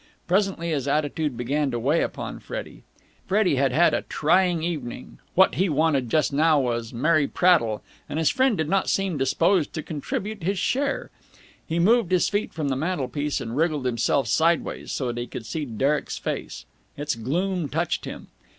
Presently his attitude began to weigh upon Freddie. Freddie had had a trying evening What he wanted just now was merry prattle, and his friend did not seem disposed to contribute his share. He removed his feet from the mantelpiece and wriggled himself sideways, so that he could see Derek's face. Its gloom touched him.